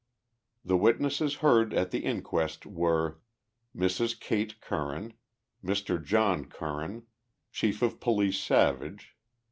P The witnesses heard at the inquest were : Mrs. Kate Curran. Mr. John Curran. Chief of Police Savage.